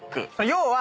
要は。